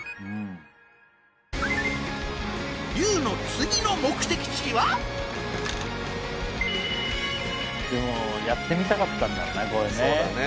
ＹＯＵの次の目的地はやってみたかったんだろうねこれね。